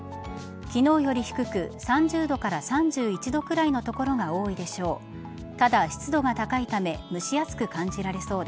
昨日より低く３０度から３１度くらいの所が多いでしょう。